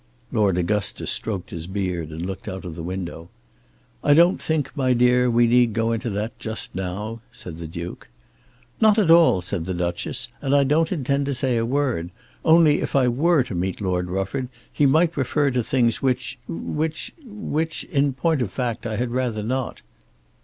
Lord Augustus stroked his beard and looked out of the window. "I don't think, my dear, we need go into that just now," said the Duke. "Not at all," said the Duchess, "and I don't intend to say a word. Only if I were to meet Lord Rufford he might refer to things which, which, which . In point of fact I had rather not."